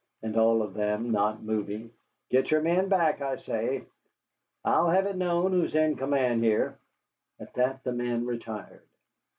And all of them not moving: "Get your men back, I say. I'll have it known who's in command here." At that the men retired.